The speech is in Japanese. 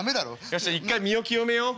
よし一回身を清めよう。